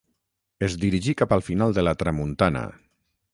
Es dirigí cap al final de la tramuntana.